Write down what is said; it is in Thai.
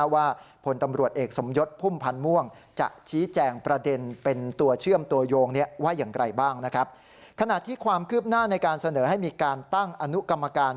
ว่าอย่างไรบ้างนะครับขณะที่ความคืบหน้าในการเสนอให้มีการตั้งอนุกรรมการ